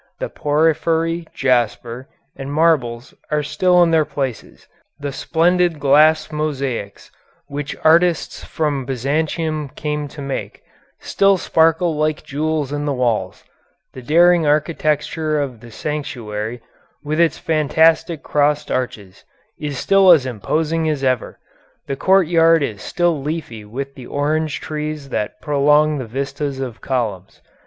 The porphyry, jasper, and marbles are still in their places; the splendid glass mosaics, which artists from Byzantium came to make, still sparkle like jewels in the walls; the daring architecture of the sanctuary, with its fantastic crossed arches, is still as imposing as ever; the courtyard is still leafy with the orange trees that prolong the vistas of columns.